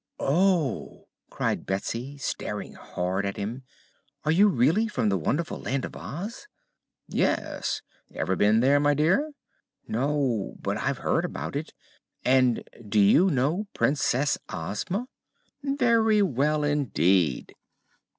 "Oh!" cried Betsy, staring hard at him; "are you really from the wonderful Land of Oz?" "Yes. Ever been there, my dear?" "No; but I've heard about it. And do you know Princess Ozma?" "Very well indeed."